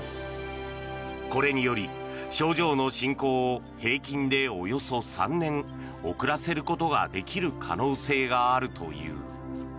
これにより症状の進行を平均でおよそ３年遅らせることができる可能性があるという。